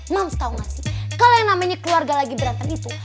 mams tahu gak sih kalau yang namanya keluarga lagi berantem itu